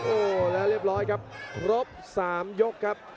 โอ้โหแล้วเรียบร้อยครับครบ๓ยกครับ